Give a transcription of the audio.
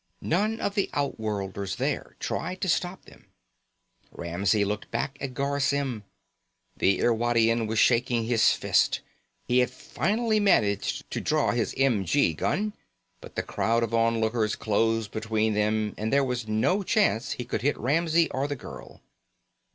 None of the outworlders there tried to stop them. Ramsey looked back at Garr Symm. The Irwadian was shaking his fist. He had finally managed to draw his m.g. gun, but the crowd of outworlders closed between them and there was no chance he could hit Ramsey or the girl.